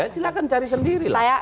silahkan cari sendiri lah